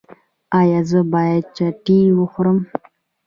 ایا زه باید چتني وخورم؟